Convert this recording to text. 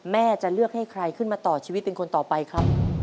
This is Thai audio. แม่จะเลือกให้ใครขึ้นมาต่อชีวิตเป็นคนต่อไปครับ